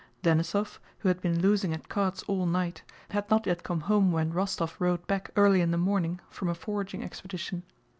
Denísov, who had been losing at cards all night, had not yet come home when Rostóv rode back early in the morning from a foraging expedition.